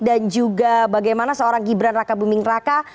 dan juga bagaimana seorang gibran raka buming raka